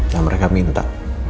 dan mereka minta